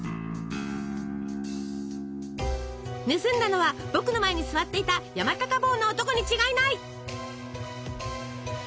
「盗んだのは僕の前に座っていた山高帽の男に違いない！」。